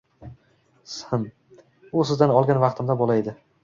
Him… U sizdan olgan vaqtimda bola edi.